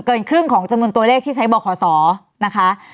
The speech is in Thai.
เกินครึ่งของจำนวนตัวเลขที่ใช้บขนะคะ